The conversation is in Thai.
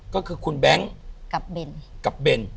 ก็คือคุณแบงค์กับเบน